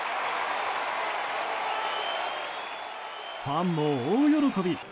ファンも大喜び。